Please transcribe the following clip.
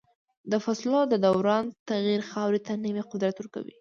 د فصلو د دوران تغییر خاورې ته نوی قوت ورکوي.